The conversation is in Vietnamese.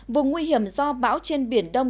vùng nguy hiểm do bão trên biển đông